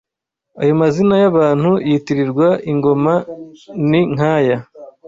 Ayo mazina y’abantu yitirirwa ingoma ni nk’aya :